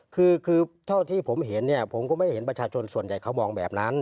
คือเท่าที่ผมเห็นเนี่ยผมก็ไม่เห็นประชาชนส่วนใหญ่เขามองแบบนั้น